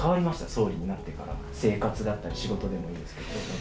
総理になってから、生活だったり仕事でもいいんですけど。